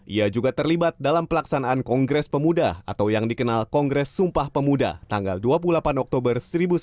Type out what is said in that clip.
ia juga terlibat dalam pelaksanaan kongres pemuda atau yang dikenal kongres sumpah pemuda tanggal dua puluh delapan oktober seribu sembilan ratus empat puluh